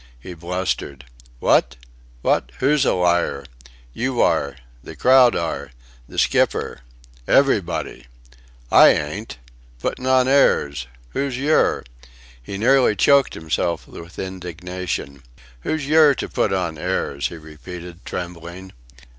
He blustered, "What? What? Who's a liar? You are the crowd are the skipper everybody. I ain't! Putting on airs! Who's yer?" He nearly choked himself with indignation. "Who's yer to put on airs," he repeated, trembling.